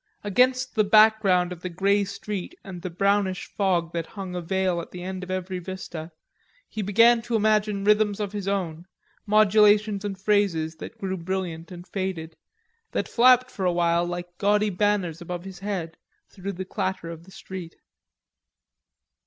Against the background of the grey street and the brownish fog that hung a veil at the end of every vista he began to imagine rhythms of his own, modulations and phrases that grew brilliant and faded, that flapped for a while like gaudy banners above his head through the clatter of the street.